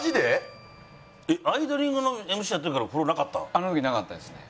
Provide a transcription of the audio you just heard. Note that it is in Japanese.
あの時なかったですね。